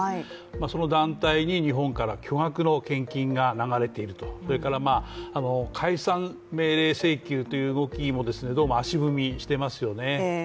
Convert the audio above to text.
その団体に日本から巨額の献金が流れていると、それから、解散命令請求という動きもどうも足踏みしていますよね。